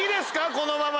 このままで。